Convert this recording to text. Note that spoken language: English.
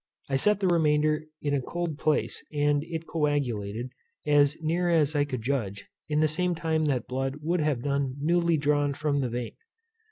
I set the remainder in a cold place and it coagulated, as near as I could judge, in the same time that blood would have done newly drawn from the vein.